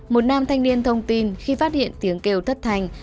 một nam thanh niên thông tin khi phát hiện tiếng kêu thất thành